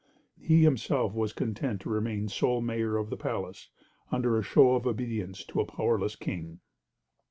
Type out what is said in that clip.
He himself was content to remain sole Mayor of the Palace, under a show of obedience to a powerless king.